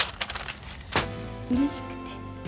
うれしくて。